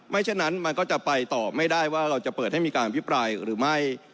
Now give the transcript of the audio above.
ฉะนั้นมันก็จะไปต่อไม่ได้ว่าเราจะเปิดให้มีการอภิปรายหรือไม่